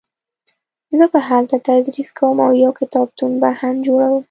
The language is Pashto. زه به هلته تدریس کوم او یو کتابتون به هم جوړوم